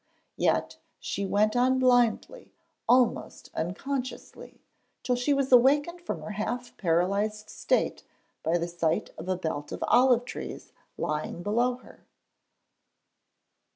Yet she went on blindly, almost unconsciously, till she was awakened from her half paralysed state by the sight of a belt of olive trees lying below her.